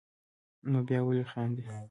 نو بیا ولې خاندې.